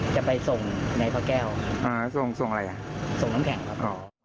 จะไปส่งในพระแก้วอ่าส่งส่งอะไรอ่ะส่งน้ำแข็งครับอ๋อ